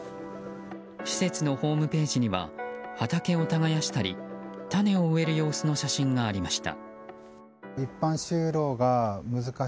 施設のホームページには畑を耕したり種を植える様子の写真がありました。